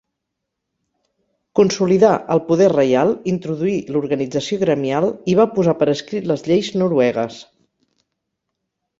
Consolidà el poder reial, introduí l'organització gremial, i va posar per escrit les lleis noruegues.